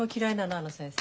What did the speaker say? あの先生。